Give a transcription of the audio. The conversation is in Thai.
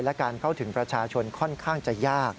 และการเข้าถึงประชาชนค่อนข้างจะยาก